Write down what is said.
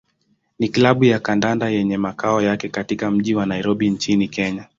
ni klabu ya kandanda yenye makao yake katika mji wa Nairobi nchini Kenya.